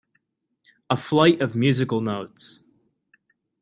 A flight of musical notes.